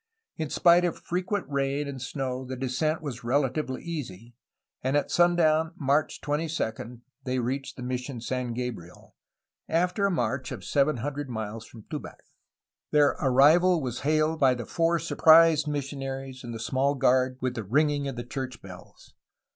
In spite of frequent rain and snow the descent was relatively easy, and at sundown, March 22, they reached Mission San Gabriel, after a march of seven hundred miles from Tubac. Their arrival was hailed by the four surprised missionaries and the small guard with the ringing of the church bells.